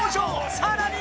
さらに！